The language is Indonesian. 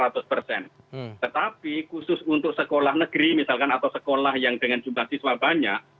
tetapi khusus untuk sekolah negeri misalkan atau sekolah yang dengan jumlah siswa banyak